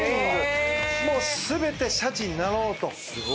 もう全てシャチになろうと。